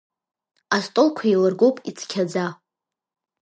Астолқәа еилыргоуп ицқьаӡа.